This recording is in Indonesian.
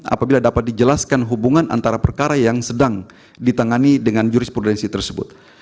apabila dapat dijelaskan hubungan antara perkara yang sedang ditangani dengan jurisprudensi tersebut